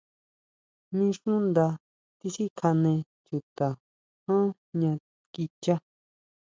Mí xú nda tisikjane chuta ján jña kichá.